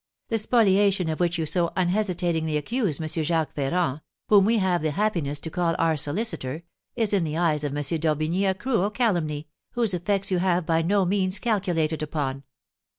The spoliation of which you so unhesitatingly accuse M. Jacques Ferrand, whom we have the happiness to call our solicitor, is, in the eyes of M. d'Orbigny, a cruel calumny, whose effects you have by no means calculated upon.